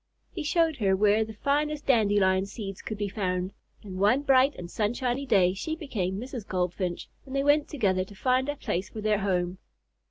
He showed her where the finest dandelion seeds could be found, and one bright and sunshiny day she became Mrs. Goldfinch, and they went together to find a place for their home.